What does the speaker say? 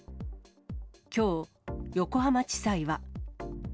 きょう、横浜地裁は。